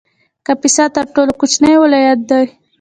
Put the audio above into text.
کاپیسا تر ټولو کوچنی ولایت دی